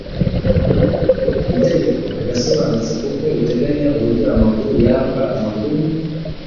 Itegeko rirasobanutse kuko riteganya uburyo amakuru yakwa. Amakuru